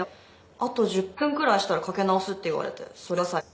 あと１０分くらいしたらかけ直すって言われてそれが最後。